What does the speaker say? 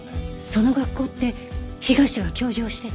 その学校って被害者が教授をしてた？